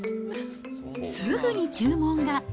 すぐに注文が。